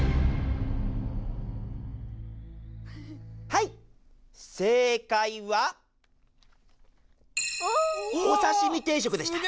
はい正解は「おさしみ定食」でした。